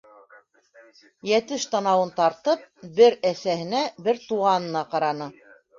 Йәтеш танауын тартып, бер әсәһенә, бер туғанына ҡараны.